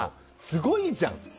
すごいじゃん。